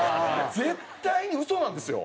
絶対に嘘なんですよ。